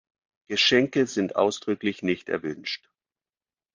Geschenke sind ausdrücklich nicht erwünscht.